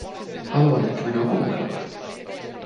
Haluan, että minua kuunnellaan.